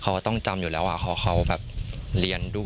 เขาต้องจำอยู่แล้วว่าเขาเรียนด้วย